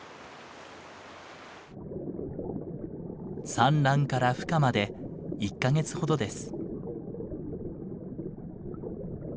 産卵からふ化まで１か月ほどです。